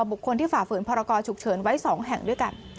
บุคคลที่ฝ่าฝืนพรกรฉุกเฉินไว้๒แห่งด้วยกัน